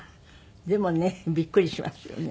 でもねびっくりしますよね。